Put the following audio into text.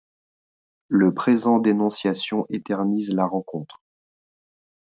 Le présent d'énonciation éternise la rencontre.